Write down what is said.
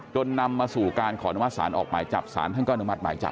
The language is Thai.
จนนำมาสู่การขออนุมาสรรค์ออกหมายจับสารเครื่องหน้าหมดหมายจับ